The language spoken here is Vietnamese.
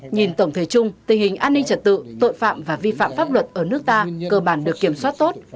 nhìn tổng thể chung tình hình an ninh trật tự tội phạm và vi phạm pháp luật ở nước ta cơ bản được kiểm soát tốt